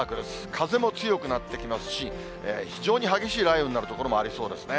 風も強くなってきますし、非常に激しい雷雨になる所もありそうですね。